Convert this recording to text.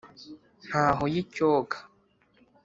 ntaho y’icyoga,